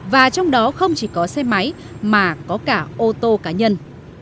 và trong đó không chỉ có xe máy mà có cả ô tô cá nhân